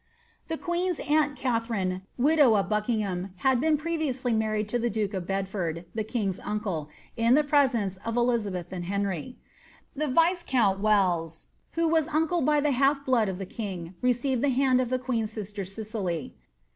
The queen'* aunt Knlherine, widow of Buckingham, had been pre ' ifly married lo the duke of Bedford, the king's uncle, in the prescnat rJizab«th and llcnr)'. Tlie Viscount Welles, who was uncle by iha ' .r blood lo lite king, received the hand of the queen's sister Cicely